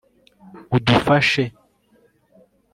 udufashe